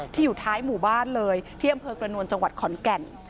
ที่อยู่ท้ายหมู่บ้านเลยที่อำเภอกรณวลจขอนแก่น